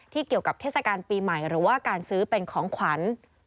เกี่ยวกับเทศกาลปีใหม่หรือว่าการซื้อเป็นของขวัญ